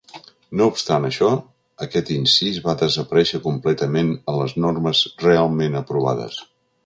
No obstant això, aquest incís va desaparèixer completament en les normes realment aprovades.